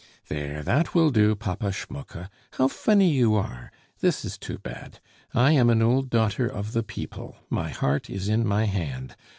"There, that will do, Papa Schmucke; how funny you are! This is too bad. I am an old daughter of the people my heart is in my hand.